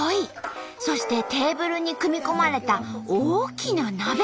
そしてテーブルに組み込まれた大きな鍋！